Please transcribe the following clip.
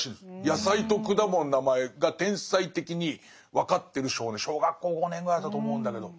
野菜と果物の名前が天才的に分かってる小学校５年ぐらいだと思うんだけど。